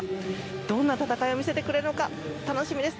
どんな戦いを見せてくれるのか楽しみです。